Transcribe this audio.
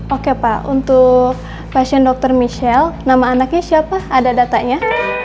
oke pak untuk pasien dr michelle nama anaknya siapa ada datanya